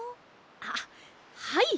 あっはい。